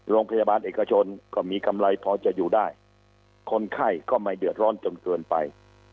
โรงพยาบาลเอกชนก็มีกำไรพอจะอยู่ได้คนไข้ก็ไม่เดือดร้อนจนเกินไป